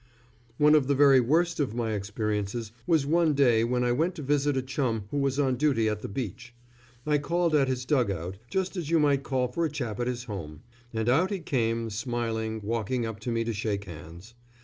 One of the very worst of my experiences was one day when I went to visit a chum who was on duty at the beach. I called at his dug out, just as you might call for a chap at his home, and out he came, smiling, walking up to me to shake hands.